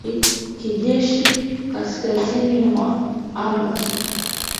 mto wa Jari kijeshi kaskazini mwa Amazon